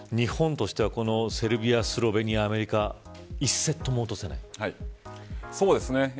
日本としてはこのセルビアスロベニア、アメリカそうですね。